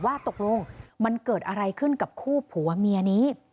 ว่าตกลงมันเกิดอะไรขึ้นกับคู่ผัวเมียนี้